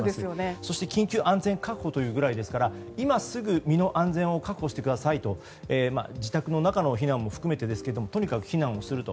そして緊急安全確保といわれるぐらいですから今すぐ身の安全を確保してくださいと自宅の中の避難も含めてとにかく避難をすると。